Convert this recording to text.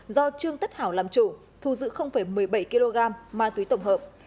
do trương tất hảo làm chủ thu giữ một mươi bảy kg ma túy tổng hợp